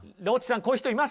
こういう人います？